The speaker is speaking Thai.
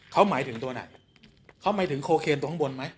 เขาหมายถึงตัวไหนเขาหมายถึงโคเคนตัวข้างบนไหม